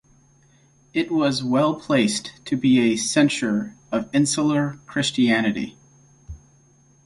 It was well placed to be a centre of Insular Christianity.